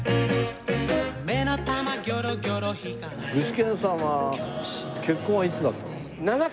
具志堅さんは結婚はいつだったの？